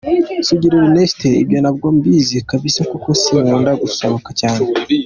Sugira Ernest: Ibyo ntabwo mbizi kabisa kuko sinkunda gusohoka cyane.